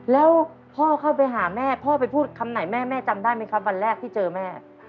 แล้วพ่อเข้าไปหาแม่พ่อไปพูดคำไหนแม่แม่จำได้ไหมครับวันแรกที่เจอแม่